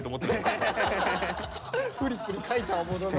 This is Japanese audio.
フリップに書いたものの。